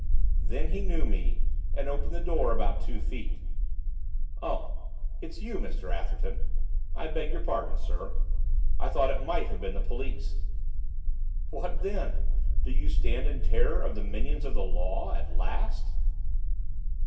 Then he knew me, and opened the door about two feet. 'Oh, it's you, Mr Atherton. I beg your pardon, sir, I thought it might have been the police.' 'What then? Do you stand in terror of the minions of the law, at last?